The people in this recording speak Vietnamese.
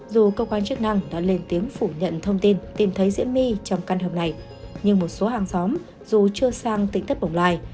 dù công an chức năng đã lên tiếng phủ nhận thông tin tìm thấy diễm my trong căn hợp này nhưng một số hàng xóm dù chưa sang tỉnh thất bóng lai